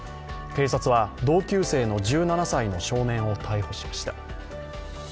警察は同級生の１７歳の少年を逮捕しました。